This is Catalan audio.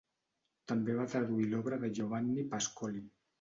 També va traduir l'obra de Giovanni Pascoli.